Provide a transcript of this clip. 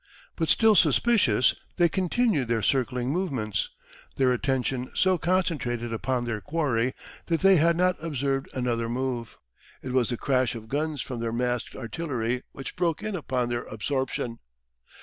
But still suspicious they continued their circling movements, their attention so concentrated upon their quarry that they had not observed another move. It was the crash of guns from their masked artillery which broke in upon their absorption.